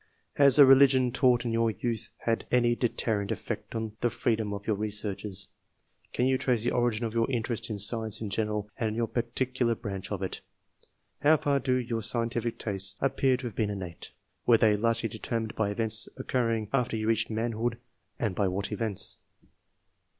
Has the religion taught in your youth had any deterrent effect on the freedom of your researches ? Can you trace the origin of your interest in science in general and in your particular branch of it ? How far do your scientific tastes appear to have been innate? Were they largely determined by events occurring after you reached manhood, and by what events